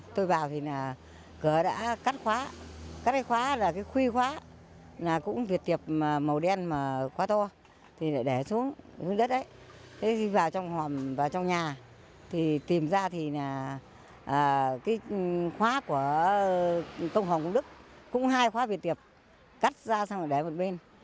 tìm ra thì khóa của công hòm công đức cũng hai khóa việt tiệp cắt ra xong để một bên